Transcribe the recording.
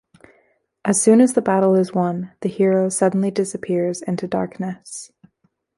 As soon as the battle is won, the Hero suddenly disappears into darkness.